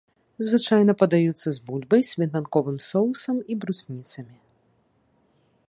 Звычайна падаюцца з бульбай, сметанковым соусам і брусніцамі.